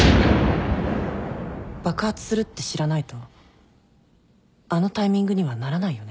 爆発するって知らないとあのタイミングにはならないよね？